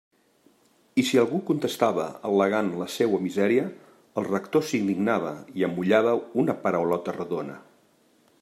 I si algú contestava al·legant la seua misèria, el rector s'indignava i amollava una paraulota redona.